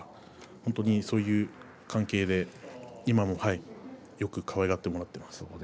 本当にそういう関係で今もよくかわいがってもらっています。